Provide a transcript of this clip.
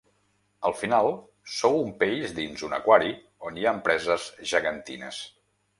Al final, sou un peix dins un aquari on hi ha empreses gegantines.